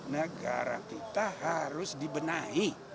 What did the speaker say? negara kita harus dibenahi